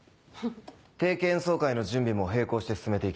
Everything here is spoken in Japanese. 定期演奏会の準備も並行して進めていきます。